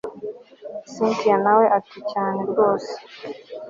cyntia nawe ati cyane rwose